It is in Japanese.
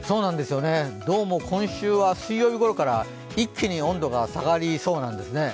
どうも今週は水曜日ごろから一気に温度が下がりそうなんですね。